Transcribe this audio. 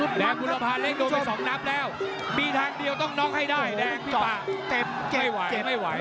แดงกุณภาเล็กโดนไปสองนับแล้วมีทางเดียวก็ต้องนอกให้ด้านแดงพี่ป๊าก